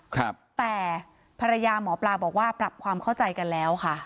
ครับแต่ภรรยาหมอปลาบอกว่าปรับความเข้าใจกันแล้วค่ะ